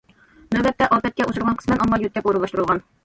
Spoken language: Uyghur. نۆۋەتتە، ئاپەتكە ئۇچرىغان قىسمەن ئامما يۆتكەپ ئورۇنلاشتۇرۇلغان.